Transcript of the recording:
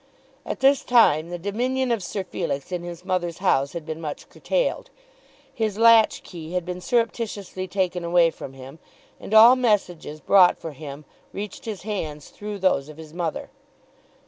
At this time the dominion of Sir Felix in his mother's house had been much curtailed. His latch key had been surreptitiously taken away from him, and all messages brought for him reached his hands through those of his mother.